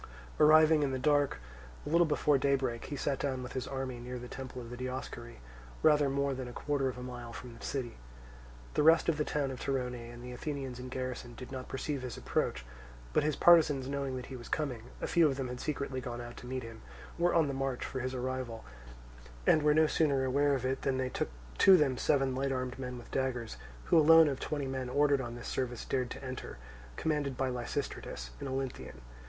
Arriving in the dark a little before daybreak, he sat down with his army near the temple of the Dioscuri, rather more than a quarter of a mile from the city. The rest of the town of Torone and the Athenians in garrison did not perceive his approach; but his partisans knowing that he was coming (a few of them had secretly gone out to meet him) were on the watch for his arrival, and were no sooner aware of it than they took it to them seven light armed men with daggers, who alone of twenty men ordered on this service dared to enter, commanded by Lysistratus an Olynthian.